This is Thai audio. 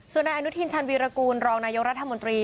ส่วนนายอนุทินชาญวีรกูลรองนายกรัฐมนตรี